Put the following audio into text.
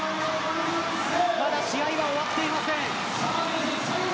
まだ試合は終わっていません。